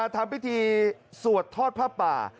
ทำพิธีสวดทอดผ้าป่า